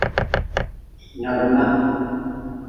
Nyab nah.